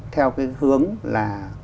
theo cái hướng là